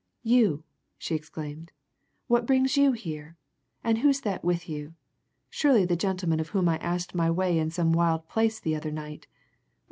"You!" she exclaimed. "What brings you here? And who's that with you surely the gentleman of whom I asked my way in some wild place the other night!